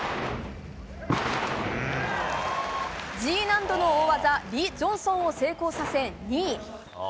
Ｇ難度の大技、リ・ジョンソンを成功させ、２位。